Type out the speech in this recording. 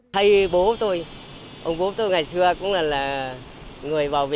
thay bố tôi ông bố tôi ngày xưa cũng là người bảo vệ